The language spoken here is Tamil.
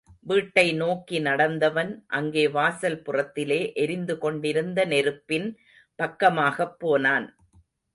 வீட்டை நோக்கி நடந்தவன், அங்கே வாசல் புறத்திலே எரிந்து கொண்டிருந்த நெருப்பின் பக்கமாகப்போனான்.